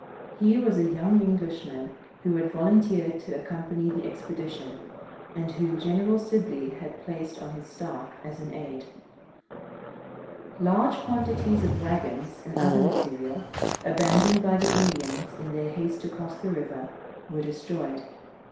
He was a young Englishman who had volunteered to accompany the expedition, and whom General Sibley had placed upon his staff as an aide. Large quantities of wagons and other material, abandoned by the Indians in their haste to cross the river, were destroyed.